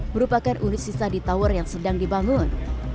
merupakan unit sisa di tower yang sedang dibangun